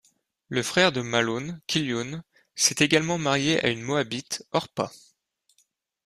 Le frère de Malhôn, Kilyôn, s’est également marié à une Moabite, Orpah.